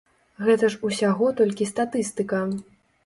Гэта ж усяго толькі статыстыка.